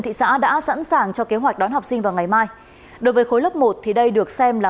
thị xã đã sẵn sàng cho kế hoạch đón học sinh vào ngày mai đối với khối lớp một thì đây được xem là